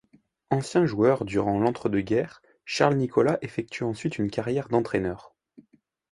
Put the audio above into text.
Ancien joueur durant l'entre-deux-guerres, Charles Nicolas effectue ensuite une carrière d'entraîneur.